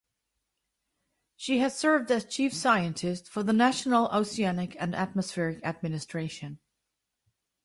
She has served as chief scientist for the National Oceanic and Atmospheric Administration.